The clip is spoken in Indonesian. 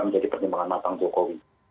menjadi pertimbangan matang jokowi